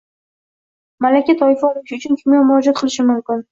Malaka toifa olish uchun kimga murojaat qilishim mumkin?